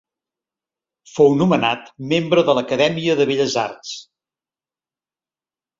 Fou nomenat membre de l'Acadèmia de Belles Arts.